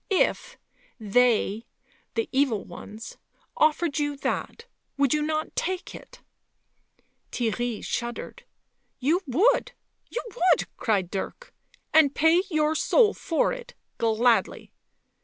" If ... they ... the evil ones ... offered you that, would you not take it ?" Theirry shuddered. u You would ! you would i" cried Dirk. " And pay your soul for it — gladly."